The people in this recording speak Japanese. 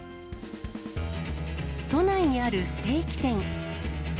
都内にあるステーキ店。